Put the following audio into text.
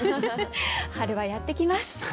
春はやって来ます。